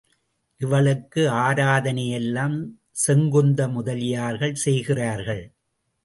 இவளுக்கு ஆராதனையெல்லாம் செங்குந்த முதலியார்கள் செய்கிறார்கள்.